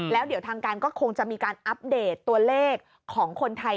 แล้วเดี๋ยวทางการก็คงจะมีการอัปเดตตัวเลขของคนไทย